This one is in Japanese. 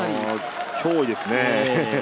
脅威ですね。